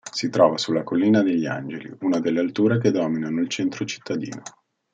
Si trova sulla Collina degli Angeli, una delle alture che dominano il centro cittadino.